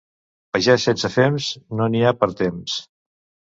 Pagès sense fems, no n'hi ha per temps.